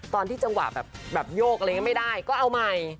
ตอนที่จังหวะแบบโยกอะไรงั้นไม่ได้ก็เอาใหม่